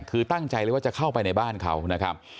คือตั้งใจเลยว่าจะเข้าไปในบ้านเขานะครับ